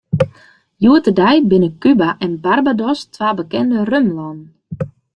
Hjoed-de-dei binne Kuba en Barbados twa bekende rumlannen.